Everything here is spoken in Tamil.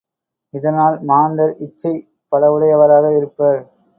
இதனால், மாந்தர் இச்சை பலவுடையவராக இருப்பர்.